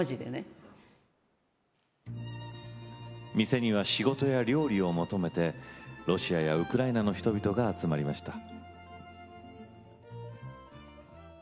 店には仕事や料理を求めてロシアやウクライナの人々が集まりました。